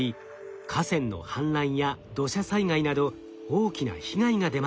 河川の氾濫や土砂災害など大きな被害が出ました。